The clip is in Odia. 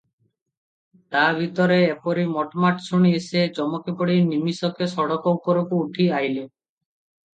ତା ଭିତରେ ଏପରି ମଟ୍ ମାଟ୍ ଶୁଣି ସେ ଚମକିପଡ଼ି ନିମିଷକେ ସଡ଼କ ଉପରକୁ ଉଠି ଅଇଲେ ।